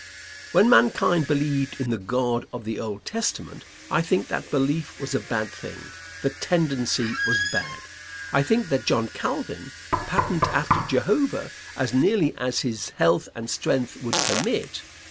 When mankind believed in the God of the Old Testament, I think that belief was a bad thing; the tendency was bad. I think that John Calvin patterned after Jehovah as nearly as his health and strength would permit.